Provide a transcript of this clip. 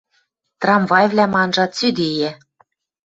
Трамвайвлӓм анжа, цӱдейӓ.